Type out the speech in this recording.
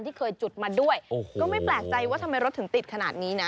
ที่เคยจุดมาด้วยก็ไม่แปลกใจว่าทำไมรถถึงติดขนาดนี้นะ